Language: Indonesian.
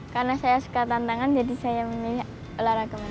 karena saya suka tantangan jadi saya memilih olahraga panjat tebing